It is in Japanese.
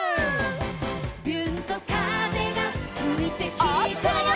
「びゅーんと風がふいてきたよ」